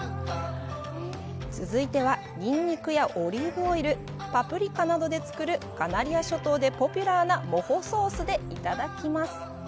続いてはニンニクやオリーブオイル、パプリカなどで作るカナリア諸島でポピュラーなモホソースでいただきます。